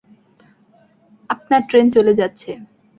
আপনার ট্রেন, চলে যাচ্ছে।